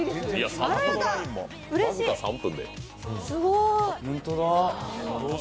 すごーい。